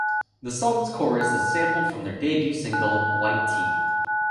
The song's chorus is sampled from their debut single "White Tee".